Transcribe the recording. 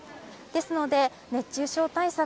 ですので、熱中症対策